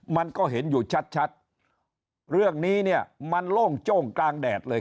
มันก็เห็นอยู่ชัดชัดเรื่องนี้เนี่ยมันโล่งโจ้งกลางแดดเลย